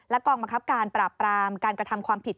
กองบังคับการปราบปรามการกระทำความผิด